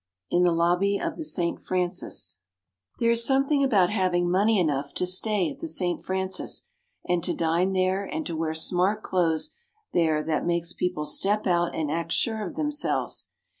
In the Lobby of the St. Francis There is something about having money enough to stay at the St. Francis, and to dine there and to wear smart clothes there that makes people step out and act sure of themselves.